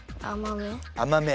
甘め。